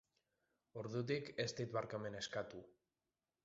Ordutik, ez dit barkamena eskatu.